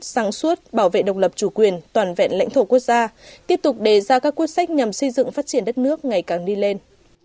sáng suốt bảo vệ độc lập chủ quyền toàn vẹn lãnh thổ quốc gia tiếp tục đề ra các quyết sách nhằm xây dựng phát triển đất nước ngày càng đi lên